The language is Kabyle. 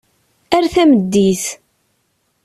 Ar tameddit.